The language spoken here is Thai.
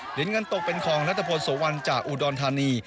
เหรียญเงินตกเป็นครองรัฐพลสวรรค์จากอุดอลธานี